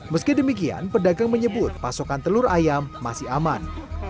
meski demikian pedagang menyebut pasokan telur ayam masih aman